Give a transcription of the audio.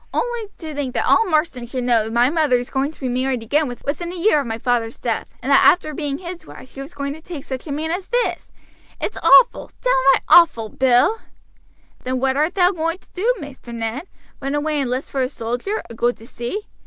Only to think that all Marsden should know my mother is going to be married again within a year of my father's death, and that after being his wife she was going to take such a man as this! It's awful, downright awful, Bill!" "Then what art thou going to do, Maister Ned run away and 'list for a soldier, or go to sea?"